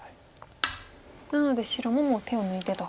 なので白ももう手を抜いてと。